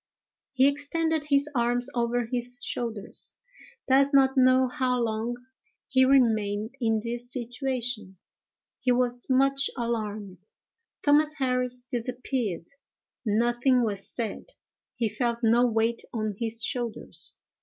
He extended his arms over his shoulders. Does not know how long he remained in this situation. He was much alarmed. Thomas Harris disappeared. Nothing was said. He felt no weight on his shoulders.